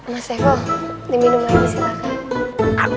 mas saiful diminum lagi silahkan